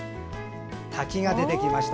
滝が出てきました。